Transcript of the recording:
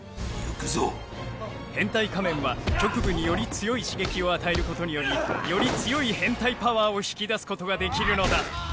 変態仮面は局部により強い刺激を与えることによりより強い変態パワーを引き出すことができるのだ。